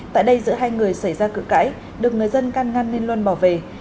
tại đây giữa hai người xảy ra cự cãi được người dân can ngăn nên luân bỏ về